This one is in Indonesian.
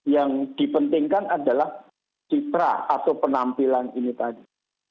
yang dipentingkan adalah citra atau penampilan ini tadi